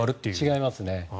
違いますね。